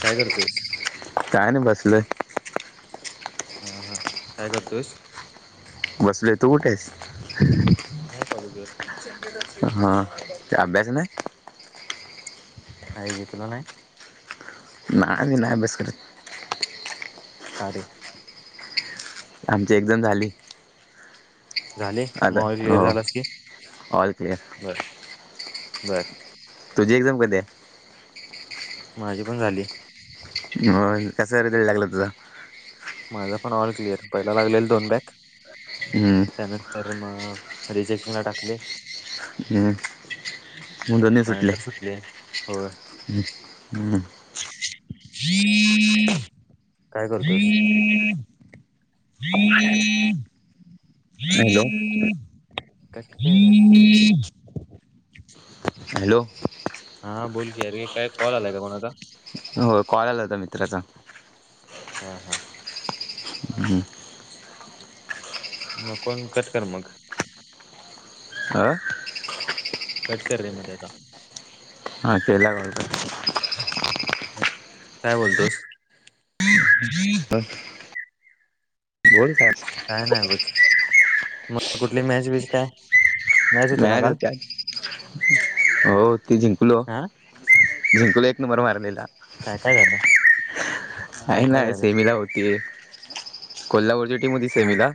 काय करतोयस? काय नाही बसलय. हा, हा, काय करतोयस? बसलय, तू कुठे आहेस? नाही पॅलगीवर हा ते अभ्यास नाही काही विकल नाही? नाही मी नाही अभ्यास करत. कारे? आमची एक्झाम झाली. झाले आता माबाल क्लिअर हो झालास की? ऑल क्लिअर बर, बर. तुझी एक्झा कधी आहे? माझी पण झाली. हो कसरे वेळ लागलं तुझं? माझा पणऑल कलिअर पहिल लागलेल दोन बॅक हम्म. त्यानंतर मग रिजेक्शन ला टाकले. हम्म, म दोन्ही सुटले. होय हम्म, हम्म. काय करतोयस? आणि [inaudible] हॅलो कट कर [inaudible] हॅलो! हा बोल कि आरे काय कॉल आलायं का? कोणाचा? हो कॉल होता मित्राचा. हा हा. ह् न कोण कट कर मग. हा कट कर रे मध्ये आता. हा ते लाव आता [inaudible] काय बोलतोसं. [inaudible] ह बोलतातं. काय नाही बघ. कुठली मॅच विचं काय? मॅच होती आज. हो ती जिंकलो. हा जिंकलो एक नंबर मारलेला. काय काय झालं. काय नाही. सेमिला होती. कोल्हापूरची टीम होती हा सेमीला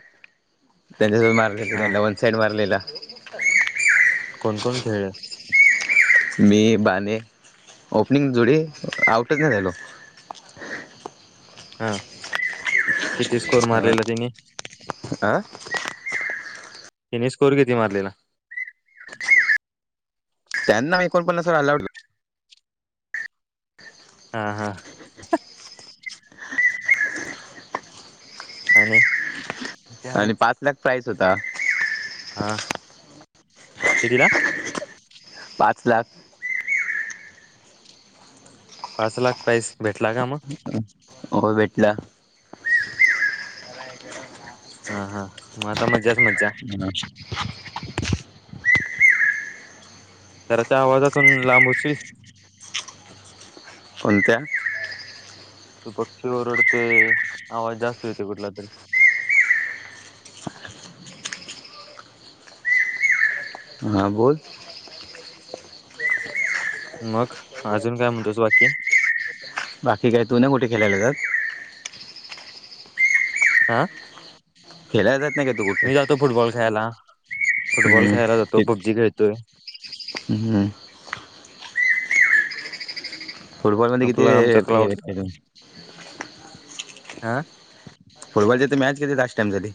त्यांच्यासोत मारलेला. हा त्यांना वन साईड मारलेला. कोण -कोण खेळलं. मी बाने ओपनिंग जोडी आऊटचं नाही झालो. हा किती स्कोर मारलेला त्यांनी. आं? त्यानी स्कोर किती मारलेला. शहान्नऊ - ऐकोपन्नस वर ऑल आऊट हा हा. आणि? ते आणि आहेच पाच लाख प्राईज होता. हा कितीला? सात लाख. पाच लाख प्राईज भेटला का मंग. हो भेटला. हा हा मग आता मज्जाच मज्जा. [unintelligible] जरा त्या आवाजातून लांब होशील. कोणत्या? पक्षी ओरडतोय आवाज जास्त येतोय कुठलातरी. [inaudible] हा बोलं. मग अजून काय म्हणतोस बाकी. बाकी काय तू नाय कुठे खेळायला जात. हा? खेळायला जातं नाही का तू कुठे मी जातो फुटबॉल खेळायला. फुटबॉल हम्म. खेळायला जातो. पपजी खेळतोयं. हम्. फुटबॉल मध्ये किती आपला आहे? आमचा हे क्लाउड हे हे. [inaudible] फुटबॉलची तिथ मॅच कधी लास्ट टाइम झाली?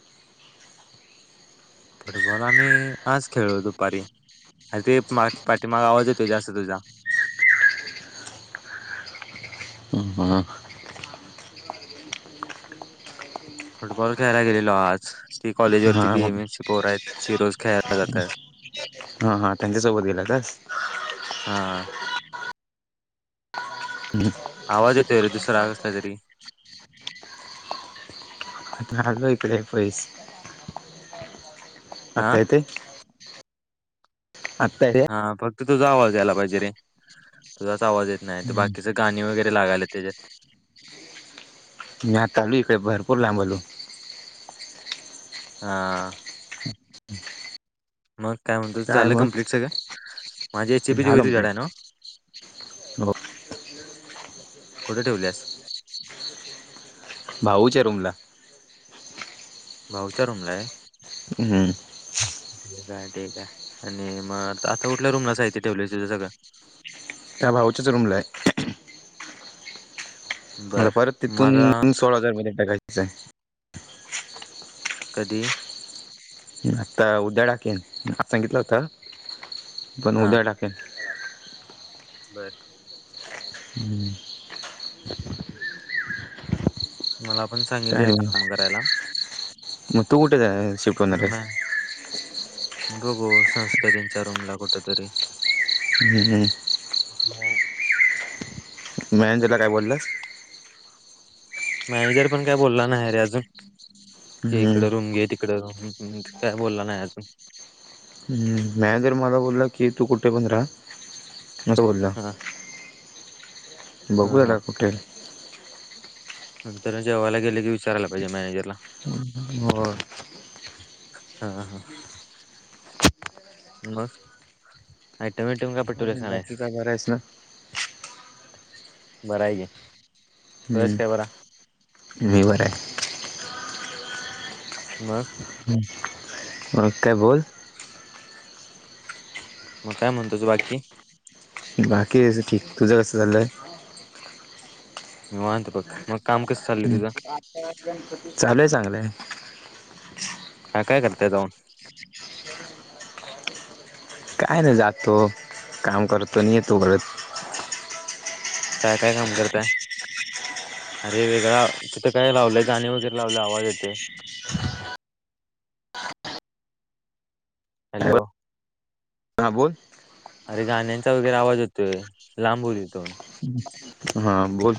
फुटबॉल आम्ही आज खेळलो दुपारी. ते मा पाठीमाग आवाज येतोय जात तुझा. ह हां. फुटबॉल खेळायला गेलेलो आज. ती कॉलेज वरती बी हा एम एसी ची पोर आहेत. ती रोज खेळाला जातात. हा हा. त्यांच्यासोबत गेलातास? हा. [inaudible] आवाज येतोय रे दुसरा कसला तरी. मी आलोय इकडे पैस. हा आता येतोय? आता हा. फक्त तुझा आवाज यायला पाहिजे रे. तुझाच आवाज येत नाहीये. तर बाकीच गाणी वगैरे लागाल्यात त्याच्यात. मी आता आलोय इकडे. भरपूर लांब आलो. हा. मग काय म्हणतो? झालं कम्प्लीट सगळं? माझी एच ए पी ची झालं वही तुझ्याकडे आहे कम्प्लीट नव्ह? हो कुठे ठेवल्यास? भाऊच्या रूम भाऊच्या रूमला आहे. हम्म. ठीक आहे. ठीक आहे. आणि मग आता कुठल्या रूमला साहित्य ठेवलंयस तुझं सगळं? त्या भाऊच्याच रूमला आहे. मला बर परत मला तिथून सोळा हजार [unintelligible] टाकायच आहे. कधी? आता उद्या टाकेन. आज सांगितलं होत, पण हा उद्या टाकेन. बर. हम्म. मला पण सांगितले काय रे काम करायला. मग तू कुठे शिफ्ट तर होणार म [unintelligible] गो संस्था त्यांच्या रूमला कुठेतरी. हम्म. [inaudible] मॅनेंजर ला काय बोललास? मॅनेजर पण काय बोलला नाही रे अजून, कि हम्म इकड रूम घे त तिकडं. काय बोलला नाही अजून. हम. मॅनेजर मला बोलला की, तू कुठे पण राहा. अस बोलला. हा. हा बघूया हा आता कुठेय. तेला जेवायला गेलं की विचारायला पाहिजे. मॅनेजर ला. हो. हा हा. मग आयटम बीयटम काय पटवलायस की बाकी नाहीस? काय बरं आहेस ना बरं आहे की. तू हायस हम्म काय बरा? मी बरा आहे. मग? मग काय बोल? मग काय म्हणतोस बाकी? बाकी अस ठीक, तुझ कस चाललंय? निवांत बघ, मग काम कस चाललय तुझ? चालु आहे चांगल. काय, काय करता आहे जाऊन? [unintelligible] काय नाही जातो, काम करतो येतो घळत. काय, काय काम करतायं? अरे वेगळा तिथं काय लावलंय गाणी वगैरे लावलयं आवाज येतय? हॅलो. हां बोल. अरे गाण्यांचा वगैरे आवाज येतोय लांब हॊ तिथूनं. हा बोल.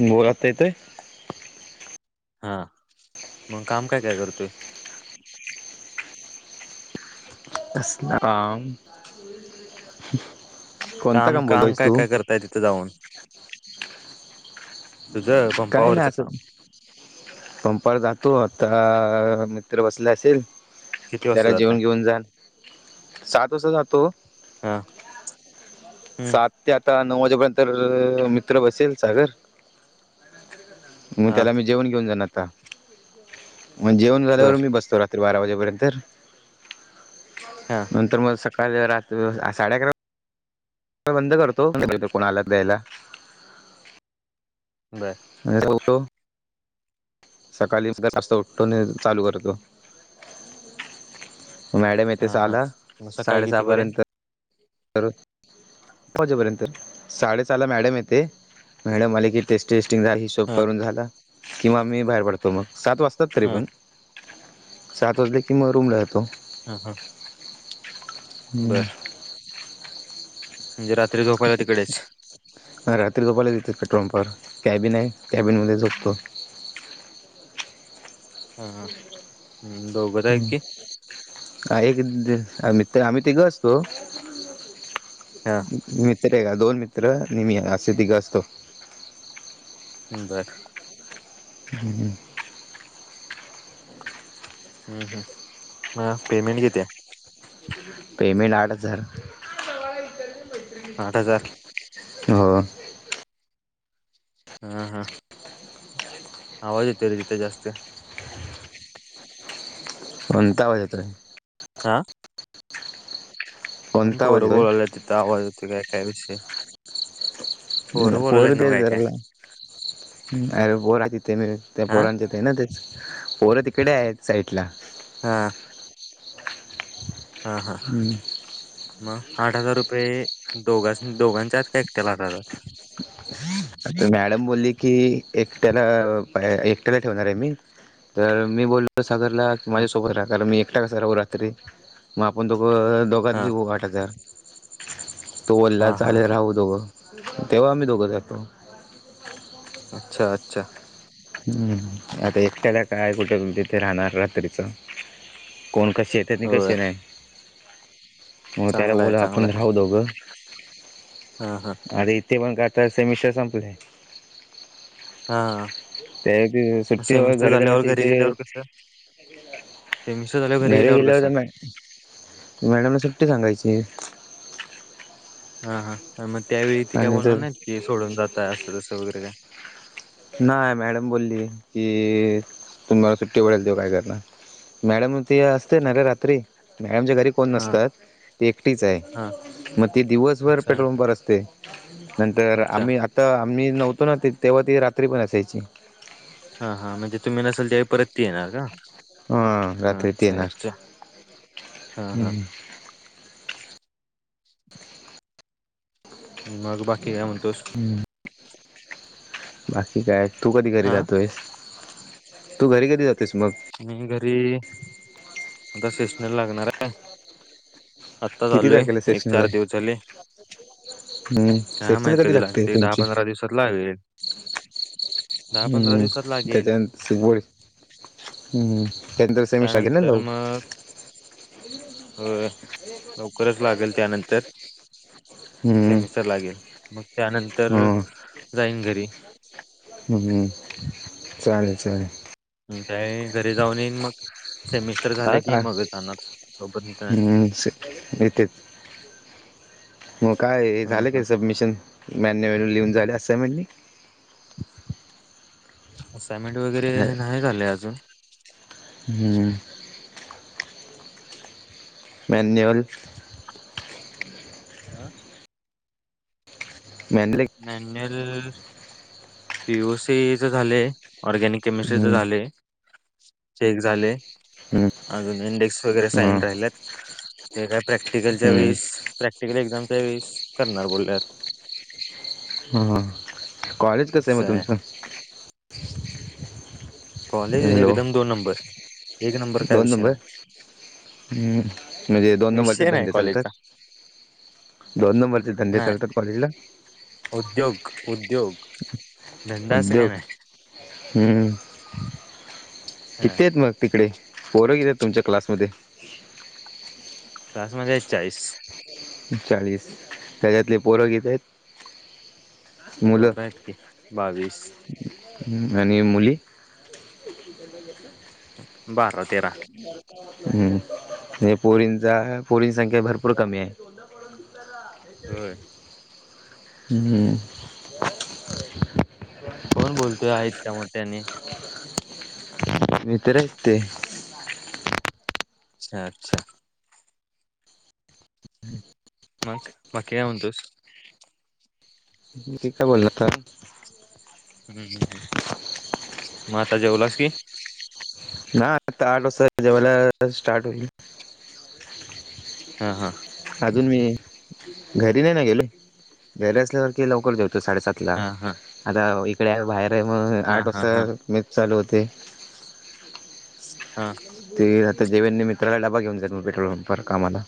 बोल आता येतोय? हा, मग काम काय, काय करतोय? कसल काम, कोणतं काम बोलतोयस तू? त्या तिथं जाऊन. तुझं काही नाही पंपावरचं असचं. काम पंपावर जातो आता मित्र बसले असेलं किती वाजता त्याला जातय जेवण घेऊन झाल? सात वाजता जातो. हा. हम्म सात ते आता नऊ वाजेपर्यंत अ मित्र बसेल सागर. मग हा त्याला मी जेवण घेऊन जाणार आता, मग जेवण झाल्यावर बर मी बसतो रा रात्री बारा वाजेपर्यंत हा तर मग सकाळ साडे अकरा बंद करतो न कोणा आलात द्यायला. बरं. ो [inaudible] सकाळी [unintelligible] उठतो चालू करतो. मॅडम हा येते हा सहाला मग सकाळी कितीपर्यंत साडेसहापर्यंत तर पाच वाजे पर्यंत साडेचाहाला मॅडम येते मॅडम मला की टेस्टी टेस्टिंग झालं तो हा करून झाला किंवा मी बाहेर पडतो मग सात वाजतात तरी हा पण. सात वाजलं की मग रूमला जातो. हा, हा. बरं. म्हणजे रात्री झोपायला तिकडेचं. हा रात्री झोपाला देतात पेट्रोल पंपवर कॅबिन आहे, कॅबिन मध्ये झोपतो. हा, हा, दोघेचं आहे की? हा एक मित्र [unintelligible] आम्ही तिघं असतो. हा मित्र आहे का दोन मित्र मी असे तिघं असतो. हम्म, बरं. हम्म, हम्म. हम्म, हम्म, पेमेंट किती हाय? पेमेंट आठ हजार आठ हजार. हो. हा. हा. आवाज येतोय रे तिथं जास्त. कोणता आवाज येतोयं? हा. कोणता आवाज पोरं येतोय बोलायलेत तिथं आवाज येतोय. काय काय विषयं पोर त्या काय धरला. अरे बोर आहे तिथ त्या हा बोरचे ना ते पोरं तिकडे आहेत साईड ला. हा. हा. हा. मग आठ हजार रुपये दोघां दोघांच्यात काय एकट्याला आठ हजार. मॅडम बोलली की एकट्याला एकट्याला ठेवणार आहे मी. तर मी बोल तर सागरला की हा माझ्यासोबत राहताना. मी एकटा कसा राहू रात्री. मग आपण दोघं दोघांत हा घेऊ गाडी. राहत्यात. तो हा बोल्ला हा चालेल हा राहू दोघं तेव्हा आम्ही दोघं जातो. [unintelligible] अच्छा अच्छा, हम्. आता एकट्याला काय कुठे रूम तीथे राहणार रात्रीच. कोण कसे येत्यात नाही होय कसे नाही. मग त्याला चांगला आहे बोला चांगला आपण आहे राहू दोघं. हा. हा. अरे, इथे पण काय आता सेमिस्टर संपवतो मी, हा. ते घेऊन मग सुट्टी वर सेमिस्टर घरी झाल्यावर जाण्याची घरी ते गेल्यावर कसं सेमिस्टर झाल्यावर घरी गेल्यावर. कसं मॅ मॅडमला सुट्टी सांगायची. हा हा मग त्यावेळी ती काय आणि बोलणार तर नाहित की, सोडून जातय असं तस वगैरे काय? नाही. मॅडम बोलली की तुम्हाला सुट्टी मिळाली तेव्हा काय करणार. मॅडम ते असते ना रे, रात्री मॅडमच्या घरी कोण हा नसतात. ती एकटीच आहे. हा मग ती दिवसभर अच्छा पेट्रोल अच्छा पंपावर असते नंतर अच्छा आम्ही, तर आम्ही नव्हतो ना. तेव्हा ती रात्री पण असायची. हा हा म्हणजे तुम्ही नसेल त्यावेळी तुम्ही परत येणार का? हा रात्री ती अच्छा येणार अच्छा हा हा हम्. मग बाकी काय म्हणतोस हम्म. बाकी काय तू कधी घरी हा जातोयस? तू घरी कधी जातेस मग? मी घरी आता शेषनर लागणार आहे. आत्ता किती चालोय. एक चार दिवस झाले. हम्म, काय सेकशल माहित कधी लागते दहा तुमची? पंधरा दिवसात लागेल दहा पंधरा हम्म दिवसात लागेल त्याच्या, शेंगोळे. हम, त्यांंत कसं मी सगळ्यांना त्यानंतर लाऊ. हो. लवकरच लागेल त्यानंतर, हम्म. सेमिस्टर लागेल. मग त्यानंतर हं जाईन घरी. हम्म. चालेल चालेल. काय घरी जाऊन येईन मग सेमिस्टर हा झाले की का मग जाणार. तोपर्यंत नाही. इथेच. मग काय ह झालं ह काय सबमिशन? मॅन्यूअल लिहून झाले असं म्हणले. असाइनमेंट वगैरे हे नाही झाले अजून. हम्म. मॅन्युअल? आ? [unintelligible] मॅन्युअल पी ओ सी च झालंय. ऑरगॅनिक केमिस्ट्रीच हम्म झालय. ते एक झालय. हम्म अजून इंडेक्स वगैरे साईन हं राहिल्यात. ते काय प्रॅक्टिकलच्या हम्म वेळेस इकडे एक्झाम च्या वेळीस करणार बोलल्यात. हा. कॉलेज कसं आहे मग तुमचं? कॉलेज हॅलो एकदम दोन नंबर. एक नंबर काय विषय नाही. हम्म. म्हणजे दोन नंबर चे विषय नाही धंदे चालतात? कॉलेजचा दोन नंबरचे धंदे नाही चालतात कॉलेज ला? उद्योग. उद्योग. धंदा असं काय उद्योग. नाही हम्म. हा किती आहेत मग? तिकडे. पोर किती आहेत तुमच्या क्लासमध्ये? क्लास मध्ये चाळीस चाळीस. त्याच्यातले पोर किती आहेत? मुलं. पोरं आहेत की बावीस आणि मुली? [inaudible] बारा तेरा. हम्म. पोरीनचा पोरीं ची संख्या भरपूर कमी आहे. होय. हम्म. कोण बोलतोय हा इतक्या मोठ्याने? मित्र आहेत ते. अच्छा! अच्छा! हम. मग. बाकी काय म्हणतोस? [unintelligible] का बोलतात. हम्. हम. हम. मग आता जेवलास की? ना आता आठ वाजता जेवायला स्टार्ट होईल. हा हा [inaudible] अजून मी. घरी नाही ना गेलो. घरी असल्यावर लवकर जेवतो साडेसात. ला. हा हा आता इकडे बाहेर आहे मग हा आठ हा हा वाजता मेस चालू होतंय. हा. ते आता. [unintelligible] मित्राला डबा घेऊन जात मग पेट्रोल पंपवर कामाला.